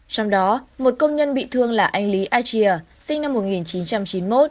trong đó một công nhân bị thương là anh lý a chìa sinh năm một nghìn chín trăm chín mươi một